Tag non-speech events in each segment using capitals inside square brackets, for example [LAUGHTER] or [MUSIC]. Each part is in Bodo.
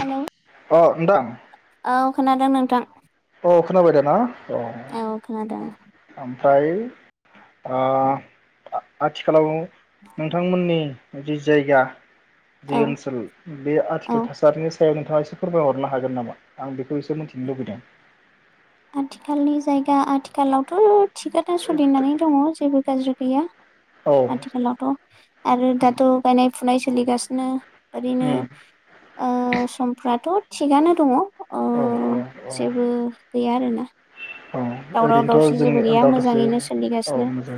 हेलौ अ नोंथां। औ खोनादों नोंथां? औ खोनाबाय दाना। अ खोनादों। फ्राय आ आथिखालाव नोंथांमोननि [UNINTELLIGIBLE] जायगा जि औ ओनसोल बे आथिखाल औ थासारि [UNINTELLIGIBLE] नोंथाङा एसे फोरमायहरनो हागोन नामा? आं बेखौ एसे मिन्थिनो लुबैदों। आथिखालनि जायगा आथिखालावथ'। थिखाथ'सलिनानै दङ जेबो गाज्रि [UNINTELLIGIBLE] या औ आथिखालावथ' आरो दाथ' गायनाय फनायाय स सोलिगासिनो ओरैनो उम ओ समफ्राथ' थिगानो दङ। ओ औ औ औ। जेबो [UNINTELLIGIBLE] आरोना औ दावराव ओरैनोथ' दावसि जोंनि जेबो गैया [UNINTELLIGIBLE] मोजाङैनो औ सोलिगासिनो मोजां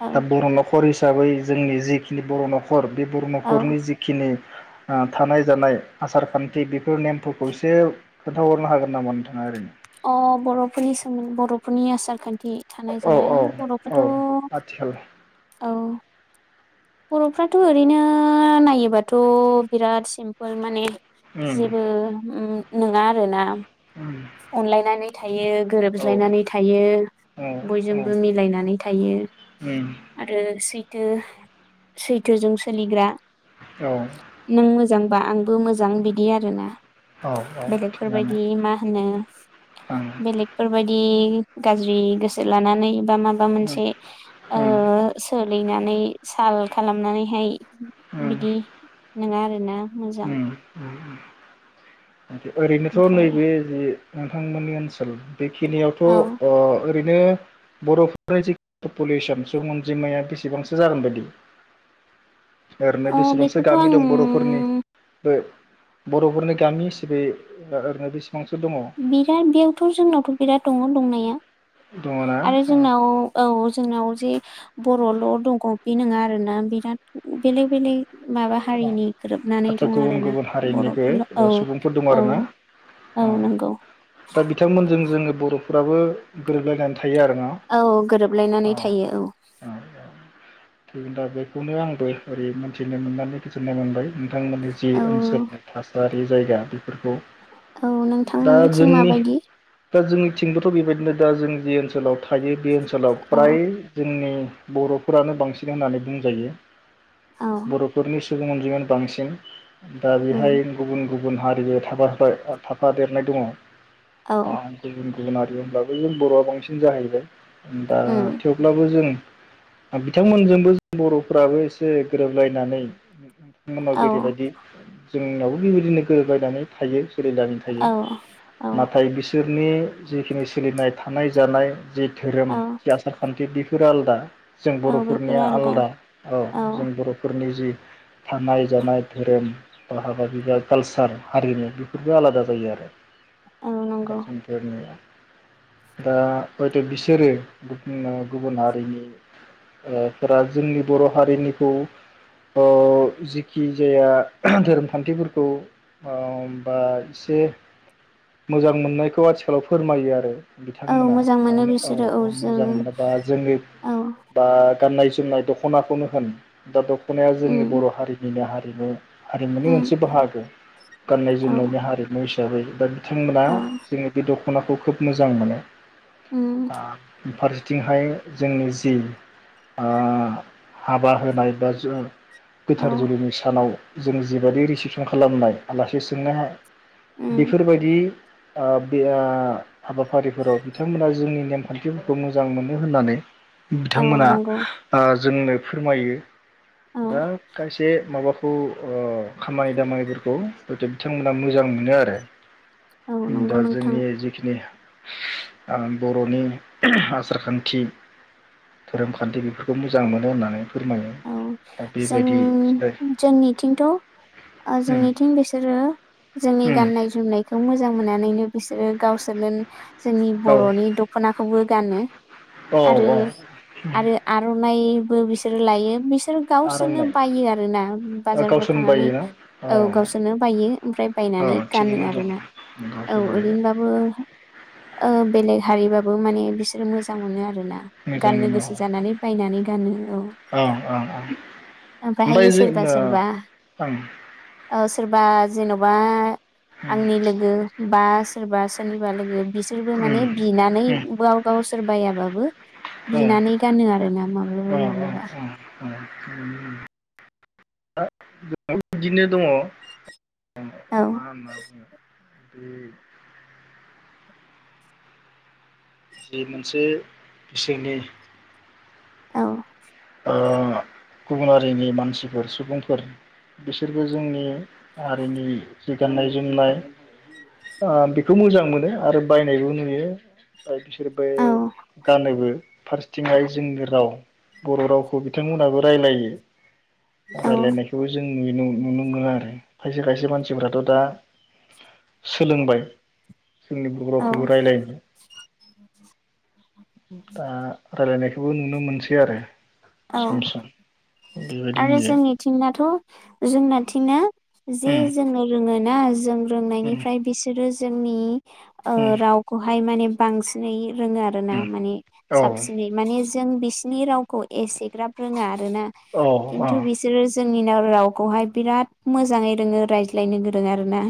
औ दा बर' न'खर हिसाबै जोंनि जिखि [UNINTELLIGIBLE] बर' न'खर। बे बर' औ न'खरनि जिखिनि थानाय जानाय आसार खान्थि बेफोर नेमफोरखौ एसे खोन्थाहरनो हागोन नामा नोंथाङा ओरैनो? अ बर'फोरनि सोमोन बर'फोरनि आसार खान बिदि थानाय जानाय औ बर'फ्राथ' औ औ आथिखाल औ। बर'फ्राथ' ओरैनो नायोबाथ' बिराद सिमपोल माने उम जेबो उम नङा आरोना। उम अनलायनानै थायो औ गोरोबज्लायनानै थायो औ औ बयजोंबो मिलायनानै थायो उम आरो सै [INAUDIBLE] सैथोजों सोलिग्रा औ। नों मोजांबा आंबो मोजां बिदि आरोना। औ औ थिगानो बेलेगफोरबायदि मा होनो ओं बेलेगफोरबायदि गाज्रि गोसो लानानै बा उम माबामोनसे ओ उम सोर लैनानै साल खालामनानैहाय उम बिदि नोंङा आरोना। मोजां। ओरैनोथ‌' ओमफ्राय नैबे जि नोंथांमोननि ओनसोल बेखिनियावथ' औ ओ ओरैनो बर'फोरनि जि पपुलेसन सुबुं अनजिमाया बेसेबांसो जागोन बायदि? ओरैनो अ बेसेबांसो बेखौथ' गामि आं दं बर'फोरनि बर'फोरनि गामि बे ओरैनो बेसे बिराद बेयावथ' जोंनावथ' बिराद दङ' दंनाया। दङ ना आरो जोंनाव औ जों जोंनाव जे बर'ल' दंख बे नोङा आरोना बिराद बेलेग बेलेग माबा हारिनि गोरोबनानै आदसा दं गुबुन आरोना गुबुन हारिनिबो बर'फोरल' औ सुबुंफोर दङ औ आरोना अ औ नों दा बिथांमोनजों जोंङो बर'फोराबो गोरोबलायनानै थायो आरोना औ गोरोबलायनानै थायो औ। थैगोन दा बेखौनो आंबो ओरै मोन्थिनो मोननानै गोजोननाय मोनबाय। नोंथांमोननि जि औ ओनसोलनि थासा बे जायगा बेफोरखौ औ दा नोंथांमोननिथिं जोंनि माबायदि? दा जोंनिथिंबोथ बेबायदिनो दा जों जि ओनसोलाव थायो बे ओन सोलाव औ प्राय जोंनि बरफोरानो बांसिन होननानै बुंजायो औ बरफोरनि सि सुबुं अनजिमायानो बांसिन दा उम बेहाय गुबुन गुबु गुबुन हारिबो थाबाथाय ओ थाफादेरनाय दङ औ ओ गुबुन गुबुन हारि होनब्लाबो जों बरआ बांसिन जाहैबाय दा उम थेवब्लाबो जों बिथांमोनजोंबो जों बरफोराबो एसे गोरोबलायनानै [INAUDIBLE] उनाव औ जेरैबायदि जोंनावबो बिबायदिनो गोरोबलायनानै थायो [UNINTELLIGIBLE] थायो औ औ नाथाय बिसोर नि जिखिनि सोलिनाय थानाय जानाय जि धोरोम औ आसार खान्थि बि फोर आलदा जों औ बेफोरो बर'फोरनिया आलदा औ जों बर'फोरनि जि थानाय जानाय धोरोम बा हाबा बिबा कालसार हारिमु बेफोरबो आलादा जायो आरो औ [UNINTELLIGIBLE] नंगौ फोरनिया दा हयथ' बिसोरो [UNINTELLIGIBLE] गुबुन हारिनि फोरा जोंनि बर' हारिनिखौ ओ जिखि जाया धोरोमखान्थिफोरखौ बा एसे मोजां मोननायखौ आथिखालाव फोरमायो आरो औ बिथांमोना मोजां मोनो औ बिसोरो औ जों मोजां मोनो बा जोंनि औ बा गाननाय जोमनाय दख'नाखौनो होन दा दख'नाया उम जोंनि बर' हारिनिनो हारिमु हारिमुनि उम मोनसे बाहागो गाननाय औ जोमनायनि हारिमु दा बैबा बिथांमोना औ जोंनि बे दख दख'नाखौ खोब मोजां मोनो उम आ फारसेथिंहाय जोंनि जि ओ हाबा होनाय बा औ गोथार जुलिनि सानाव जों जिबायदि रिसिपसन खालामनाय आलासि सोंनो उम बेफोरबायदि ओ बिया हाबाफारिफोराव बिथांमोना जोंनि नेमखान्थिफोरखौ मोजां मोनो होननानै औ बिथांमोना नंगौ ओ जोंनो फोरमायो। औ दा बे माबाखौ ओ खामानि दामानिफोरखौ हयथ' बिथांमोना मोजां मोनो आरो। औ नंगौ दा नोंथां जोंनि जिखिनि आं बर'नि आसारखान्थि धोरोमखान्थि बेफोरखौ मोजां मोनो होननानै फोरमायो दा बेबाय उम जोंनिथिंथ' ओ उम जोंनिथिं बिसोरो जोंनि उम गाननाय जोमनायखौ मोजां मोननानैनो बिसो रो गावसोरनो जोंनि औ बर'नि दख'नाखौबो गानो औ आरो औ आरो आर'नाइ बो बिसोर लायो बिस सोर गावसोरनो आर'नाइ बायो आरोना बाजारफ्राव गावसोरनो थांनानै। बायोना औ गावसोरनो बायो ओमफ्राय औ बायनानै गानो थिगैनो दं आरोना। औ गावसोरबो ओरैनोबाबो ओ बेलेग हारिब बो माने बिसोरो मोजां मोनो आ रोना। मोजां गाननो गोसो जानानै बायनानै गानो, औ। ओं ओं ओं ओमफाय ओमफ्रायहायो जों ओं। औ सोरबा जेन'बा उम आंनि लोगो बा सोरबा सोरनिबा लोगो बिसोरबो उम माने बिनानै उम बो गाव गावसोर बायाबाबो औ बिनानै गानो आरोना माब्लाबा औ माब्लाबा। [UNINTELLIGIBLE] बिदिनो दङ। औ [UNINTELLIGIBLE] बे जि मोनसे बिसोरनि औ। ओ गुबुन हारिनि मानसिफोर सुबुंफोर बिसोरबो जोंनि हारिनि जि गाननाय जोमनाय आ बेखौ मोजां मोनो आरो बायनायबो नुयो बिसोर बे औ गानोबो। फारसेथिहाय जोंनि राव बर' रावखौ बिथांमोनाबो राय्लायो। औ रायलायनायखौबो जों नुयो नुनो मोनगोन आरो खायसे खायसे मानसिफ्राथ' दा सोलोंबाय जोंनि औ बर'खौबो रायलायनो दा रायलायनाय खौबो नुनो मोनसै आरो औ सम सम बेबायदि आरो नुयो जोंनिथिंनाथ' जोंनाथिंआ जे उम जोंनो रोङोन ना जों उम रोंनायनिफ्राय बिसोरो जोंनि ओ उम रावखौहाय माने बांसिनै रोङो आरो ना उम माने औ साबसिनै माने जों बि बिसिनि रावखौ एसेग्राफरोंङा रोना औ अ खन्थु बिसोरो जोंनिनाव रावखौहाय बिराद मोजाङै रोङो रायज्लायनो गोरों आरो ना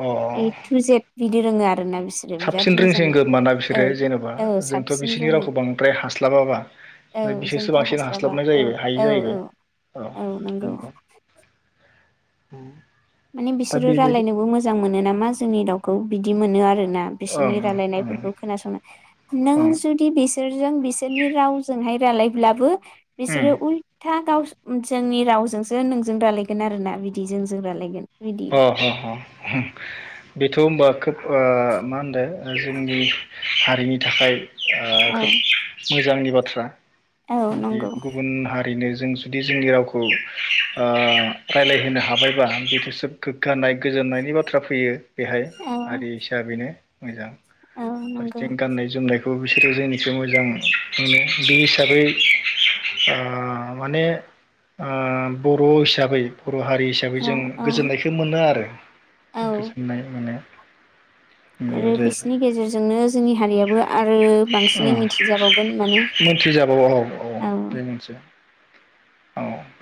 अ ओइ थु जेद बिदि रोङो आरो [UNINTELLIGIBLE] साबसिन रोंसिनगो मानना बिसोरो जेनबा औ जोंथ साबसिन बिसोरनि रोङो रावखौ बांद्राय हास्लाबाबा ओमफाय बिसोरसो थ बांसिन हास्लाबा हास्लाबनाय औ जाहैबाय हायो औ जाहैबाय औ औ नोंगौ उम माने बिसोरो रायलायनोबो मोजां मोनो नामा जोंनि रावखौ बिदि मोनो आरो ना बिसोरनि ओं रायलायनाय ओं खोनासंनो नों ओं जुदि बिसोरजों बिसोरनि रावजोंहाय रालायब्लाबो ओं बिसोरो उलथा गावस जोंनि रावजोंसो नोंजों रायालायगोन आरो ना बिदि जोंजों रायलायगोन बिदि अ ह ह बेथ ओमबा खोथ ओ मा होनदों जोंनि हारिनि थाखाय ओ औ खोब मोजांनि बाथ थ्रा औ बिदि नंगौ गुबुन हार ओरैनो जों जुदि जोंनि रावखौ ओह रायजलाय होनो हाबाय बा बेथ सोब गोगानाय गोजोननायनि बाथ्रा फैयो बेहाय औ हारि हिसाबैनो मोजां औ नंगौ फारसेथिं गाननाय जोमनायखौ बिसोरो जोंनिफ्राय मोजां मोनो बे हिसाबै ओह माने ओ बर हिसाबै बर हारि हिसाबै औ जों औ गोजोननायखो मोनो आरो औ गोजोननाय मोनो आरो बेबायदि बिसिनि गेजेरजोंनो जोंनि हारियाबो आरो बांसिनै मिथिजाबावगोन माने मोनथिजाबावो औ औ बे मोनसे औ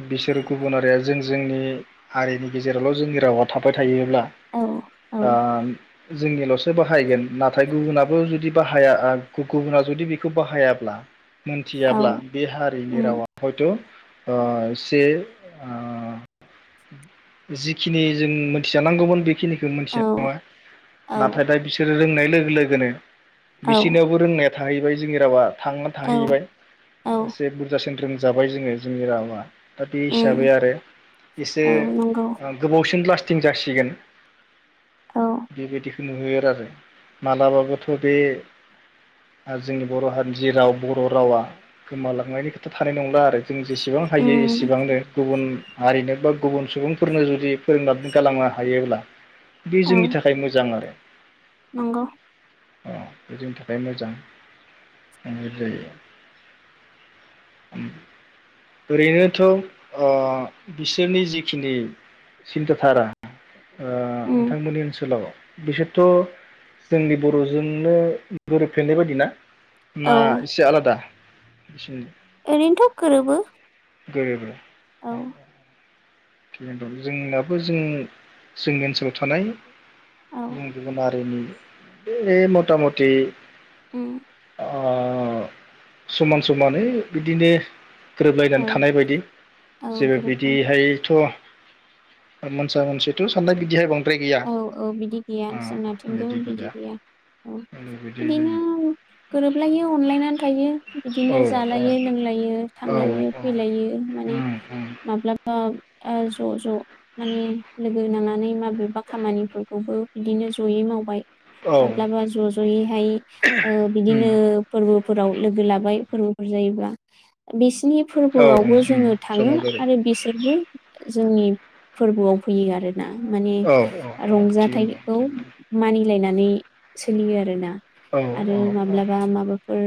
बिसोरो गुबुनारिया जों जोंनि हारिनि गेजेरावल' जों रावा थाबाय थायो। अब्ला औ औ ओ जोंनिल'सो बाहायगोन नाथाय गुबुनाबो जुदि बाहाया गुबुना जुदि बेखौ बाहायाब्ला औ मोनथियाब्ला बे हारिनि उम रावा हयथ' ओ से ओ जिखुनु जिखिनि जों मोनथिजानांगौमोन बेखिनि जों औ मिथिनाय औ नङा नाथाय दा बिसोर रोंनाय लोगो लोगोनो औ बिसिनावबो रोंनाया थाहैबाय जोंनि रावा थांना औ थाहैबाय औ एसे बुरजासिन जाबाय जोङो जोंनि रावा । दा बे हिसाबै उम आरो एसे औ नंगौ गोबावसिन लास्टिं जासिगोन। औ बेबायदि नुहोयो आरो मालाबाबोथ' बे आरो जोंनि बर' हारिनि जि राव बर' रावा गोमालांनायनि खोथा थानाय नंला आरो। जों जेसेबां हायो उम एसेबांनो गुबुन हारिनो बा गुबुन सुबुंफो फोरनो जुदि फोरोंनानै गालांनो हायोब्ला बे औ जोंनि थाखाय मोजां आरो । नंगौ बेजोंनि थाखाय मोजां जायो ओरैनोथ' ओ बिसोरनि जिखिनि सिन्था थारा ओ उम नोंथांमोननि ओनसोलाव बिसोरथ' जोंनि बर'जोंनो गोरोबफ्लेनाय बायदि ना? औ ना इसे आलादा? [INAUDIBLE] ओरैनोथ' गोरोबो गोरोब औ थिगानोदं जोंनाबो जों जोंनि ओनसोलाव थानाय औ गुबुन गुबुन हारिनि ए मटा मटि उम अह समान समानै बिदिनो औ गोरोबलायनानै थानाय बायदि औ जेबो गोरोबगोन बिदिहाय थ अह मोनसा मोनसिथ' साननाय बिदिहाय बा औ औ बिदि गैया जोंनाथिंबो बिदि गैया औ बिदि जायो बिदिनो गोरोबलायो अनलायनानै थायो बिदिनो जालायो औ लोंलायो औ थांलायो औ फैलायो माने उम उम माब्लाबा ओ ज'-ज' माने लोगो नांनानै माबेबा खामानिफोरखौबो बिदिनो जयै मावबाय औ माब्लाबा ज'-ज'यैहाय ओ उम बिदिनो फोरबोफोराव लोगो लाबाय फोरबोफोर जायोबा बेसे नि औ उम उम फोरबोआवबो जोङो थाङो जमा जायो आरो बिसोरबो जोंनि फोरबोआव फैयो आरोना मो औ औ थिगैनो दं रंजाथाइखौ थिगैनो दं मानिलायना नै सोलियो आरोना औ आरो औ माब्लाबा माबाफोर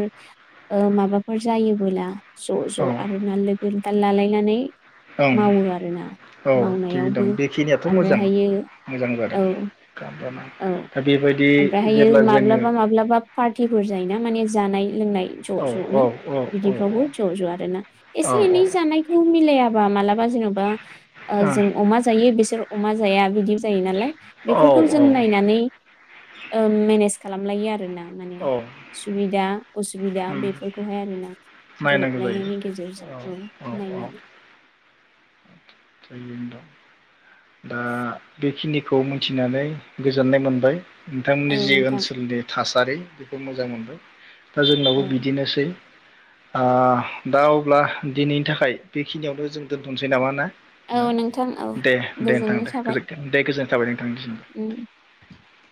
ओ माबाफोर जायोबोला ज'-ज' औ आरो ना लोगो दाल लालायनानै ओं मावो आरोना औ थिगैनो दं मावनायावबो बेखिनियाथ' मोजां ओमफ्रायहायो मोजां औ जादों खालामजाना औ दा बेबायदि ओमफ्रायहायो जेब्ला जोङो माब्लाबा-माब्लाबा पार्टिफोर जायोना माने जानाय लोंनाय औ ज'-ज'नो औ औ बिदिफ्रावबो ज'-ज' आरोना एसे एनै जानायखौ मिलाया फोरा माला बा जेन'बा जों अमा जायो बिसोर अमा जाया बिदि यो नालाय औ बेफोरखौ जों औ नायनानै ओम मेनेज खालामलायो आरो ना। माने उम सुबिदा असुबिदा बेफोरखौहाय आरोना नायनांगौ जायो गोरोबलायनायनि गेजेरजों औ नायनानै। [UNINTELLIGIBLE] दा बेखिनिखौ मिथिनानै गोजोननाय मोनबाय। औ नोंथांमोननि जि नोंथां ओनसोलनि थासारि बेखौ मोजां मोनबाय। दा जोंनावबो औ बिदिनोसै। ओ दा अब्ला दिनैनि थाखाय बेखिनियावनो जों दोनथ'सै नामा ना। औ नोंथां औ। दे दे नोंथां गोजोननाय दे थाबाय गोजोन्थों दे। गोजोन्नाय थाबाय नों उम थांनिसिमबो।